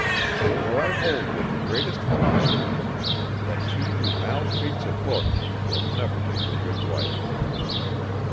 For I hold with the greatest philosophers that she who maltreats a book will never make a good wife.